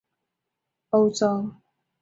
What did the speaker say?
东非蜂的授粉效果也比欧洲蜂差。